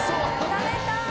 食べたーい！